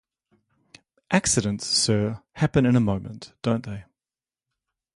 Accidents, sir, happen in a moment, don't they?